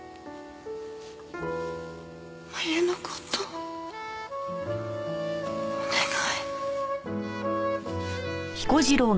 麻友の事お願い。